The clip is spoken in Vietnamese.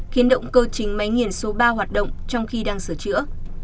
khiến động cơ chính máy nghiền số ba hoạt động trong khi đang sửa chữa